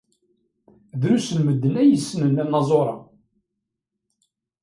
Drus n medden ay yessnen anaẓur-a.